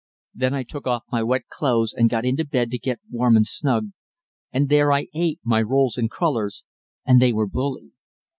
Then I took off my wet clothes and got into bed to get warm and snug, and there I ate my rolls and crullers, and they were bully.